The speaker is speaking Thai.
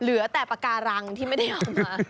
เหลือแต่ปากการังที่ไม่ได้เอามา